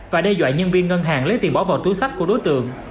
và đe dọa nhân viên ngân hàng lấy tiền bỏ vào túi sách của đối tượng